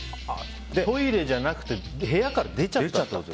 トイレじゃなくて部屋から出ちゃったと。